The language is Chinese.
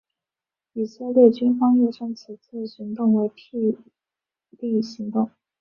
以色列军方又称这次行动为霹雳行动。